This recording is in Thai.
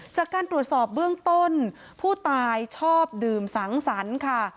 จากการตรวจสอบเบื้องต้นผู้ตายชอบดื่มสังสรรค์ค่ะ